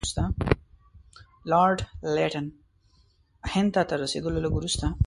لارډ لیټن هند ته تر رسېدلو لږ وروسته.